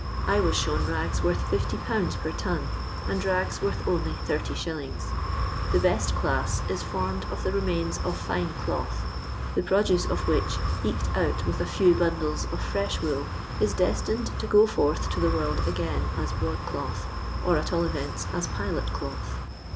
I was shown rags worth 50/. per ton, and rags worth only 30«. The best clau is formed of the remains of fine cloth, the produce of which, eked out with a few bundles of fresh wool, is destined to go forth to the world again as broad cloth, or at all events as pilot cloth.